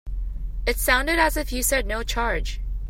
It sounded as if you said no charge.